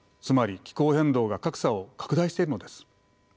つまり気候変動が格差を拡大しているのです。